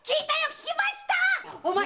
聞きましたっ！